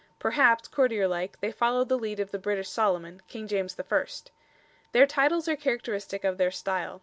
Perhaps, courtier like, they followed the lead of the British Solomon, King James I. Their titles are characteristic of their style.